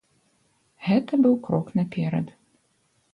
Гэта быў крок наперад.